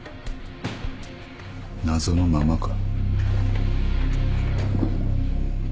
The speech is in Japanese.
謎のままか。